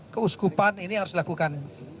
keuskupan ini harus dilakukan